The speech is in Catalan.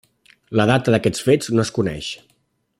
La data d'aquests fets no es coneix.